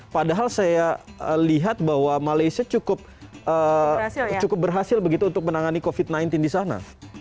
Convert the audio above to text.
padahal saya lihat bahwa malaysia cukup berhasil begitu untuk menangani covid sembilan belas di sana